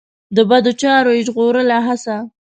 د بدو چارو یې ژغورلو هڅه.